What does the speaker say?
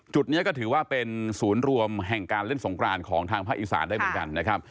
จุดนี้ก็ถือว่าเป็นศูนย์รวมแห่งการเล่นสงกรานของทางภาคอีสานได้เหมือนกันนะครับ